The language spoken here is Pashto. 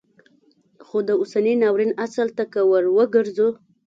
خو د اوسني ناورین اصل ته که وروګرځو